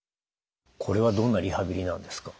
これはどんなリハビリなんですか？